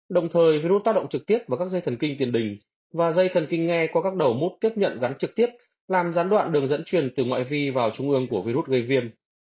đồng thời virus tác động trực tiếp vào các dây thần kinh tiền đình và dây thần kinh nghe qua các đầu mút tiếp nhận gắn trực tiếp làm gián đoạn đường dẫn truyền từ ngoại vi vào trung ương của virus gây viêm